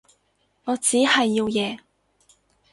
我只係要贏